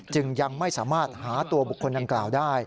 จึงยังไม่สามารถหาตัวบุคคลดังกล่าวได้